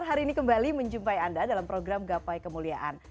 hari ini kembali menjumpai anda dalam program gapai kemuliaan